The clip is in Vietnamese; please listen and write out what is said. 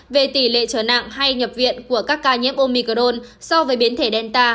về tỷ lệ trở nặng hay nhập viện của các ca nhiễm omicron so với biến thể delta